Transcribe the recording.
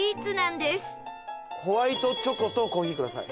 ホワイトチョコとコーヒーください。